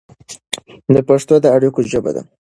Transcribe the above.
پښتو د اړیکو ژبه ده.